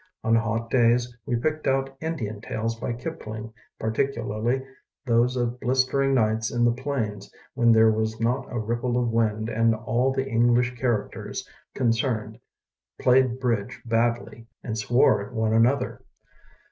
On hot days we picked out Indian tales of Kipling, particularly those of blistering nights in the plains when there was not a ripple of wind and all the English characters con cerned played bridge badly and swore at one another.